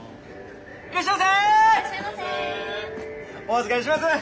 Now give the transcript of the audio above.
お預かりします！